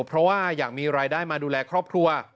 เพราะว่าอยากมีรายได้มาดูแลครอบครัว